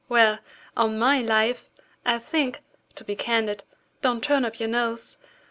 well—on my life, I think—to be candid—(don't turn up your nose!)